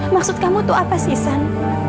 maksud kamu tuh apa sen